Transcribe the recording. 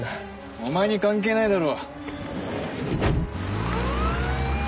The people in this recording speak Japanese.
お前に関係ないだろ。